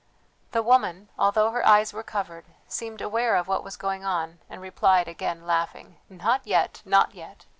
The woman, although her eyes were covered, seemed aware of what was going on, and replied again laughing, "Not yet, not yet!